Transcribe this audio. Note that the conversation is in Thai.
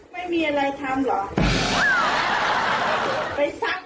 ไม่มีว่างเปล่านะ